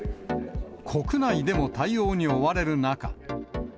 国内でも対応に追われる中。